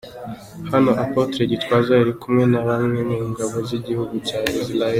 Hano Apotre Gitwaza yari kumwe na bamwe mu ngabo z'igihugu cya Israel.